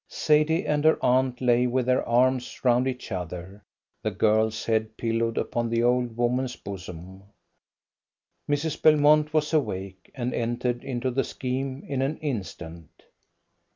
Sadie and her aunt lay with their arms round each other, the girl's head pillowed upon the old woman's bosom. Mrs. Belmont was awake, and entered into the scheme in an instant.